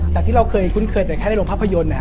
จากที่เราเคยใช้ไม่เคยแต่ได้โรงภาพยนตร์นะ